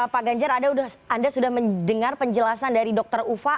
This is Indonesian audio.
pak ganjar anda sudah mendengar penjelasan dari dr ufa